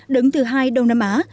đứng thứ hai đông nam á